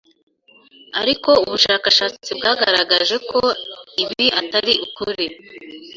Ariko ubushakashatsi bwagaragaje ko ibi atari ukuri